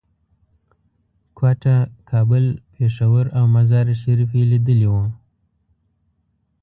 کوټه، کابل، پېښور او مزار شریف یې لیدلي وو.